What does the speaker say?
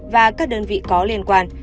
và các đơn vị có liên quan